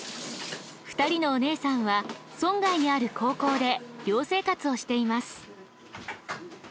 ２人のお姉さんは村外にある高校で寮生活をしています。